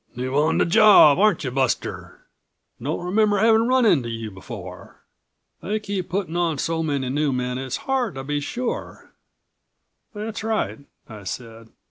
"New on the job, aren't you, Buster? Don't remember having run into you before. They keep putting on so many new men it's hard to be sure." "That's right," I said.